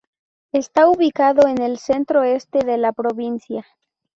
Está ubicado en el centro-este de la provincia.